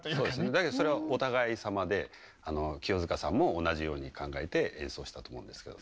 だけどそれはお互いさまで清塚さんも同じように考えて演奏したと思うんですけど。